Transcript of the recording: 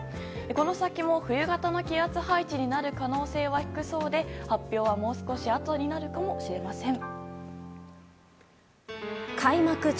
この先も、冬型の気圧配置になる可能性は低そうで発表は、もう少しあとになるかもしれません。